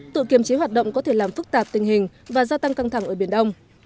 tự kiềm chế hoạt động có thể làm phức tạp tình hình và gia tăng căng thẳng ở biển đông